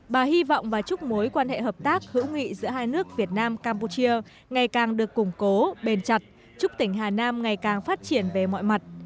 bà hy vọng và chúc mối quan hệ hợp tác hữu nghị giữa hai nước việt nam campuchia ngày càng được củng cố bền chặt chúc tỉnh hà nam ngày càng phát triển về mọi mặt